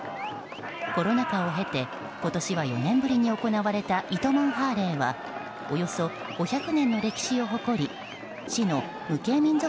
コロナ禍を経て今年は４年ぶりに行われた糸満ハーレーはおよそ５００年の歴史を誇り市の無形民俗